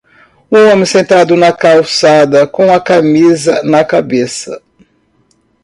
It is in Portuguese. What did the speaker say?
Um homem sentado na calçada com a camisa na cabeça.